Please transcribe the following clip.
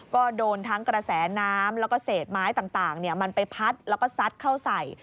ก็โดนทั้งกระแสน้ำแล้วก็เศษไม้ต่างมันไปพัดแล้วก็ซัดเข้าใส่